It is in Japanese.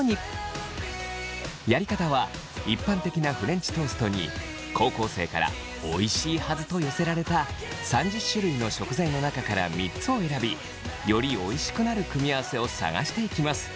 やり方は一般的なフレンチトーストに高校生からおいしいはずと寄せられた３０種類の食材の中から３つを選びよりおいしくなる組み合わせを探していきます。